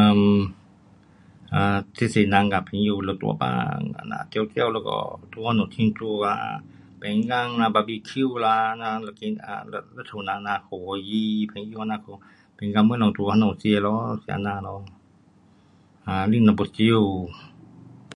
um，啊，就是人跟朋友一大班这样，叫叫一下，在那家庆祝啊，panggang 啦，barbeque 啦这样，这一家人这样欢喜，朋友 panggang 东西在那家吃咯，就是这样咯。啊，喝一点酒